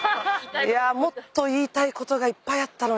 いやもっと言いたいことがいっぱいあったのに。